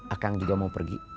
akang juga mau pergi